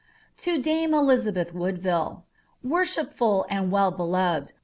"To Jame Elizabeih Wodoiille. " Wotlliipful and well beloved.